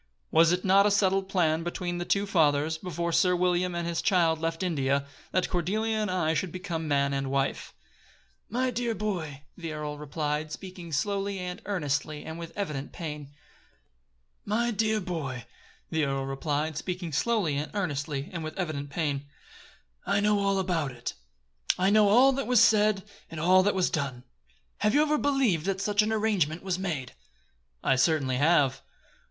"Was it not a settled plan between the two fathers, before Sir William and his child left India, that Cordelia and I should become man and wife?" "My dear boy," the earl replied, speaking slowly and earnestly and with evident pain, "I know all about it; I know all that was said, and all that was done. Have you ever believed that such an arrangement was made?" "I certainly have."